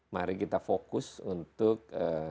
mari kita fokus untuk